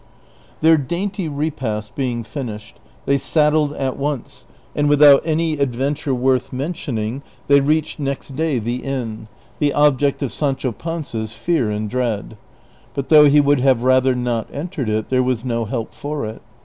Their dainty repast being finished, they saddled at once, and without any adventure worth mentioning they reached next day the inn, the object of Sancho Panza's fear and dread ; but though he Avould have rather not entered it there Avas no help for it.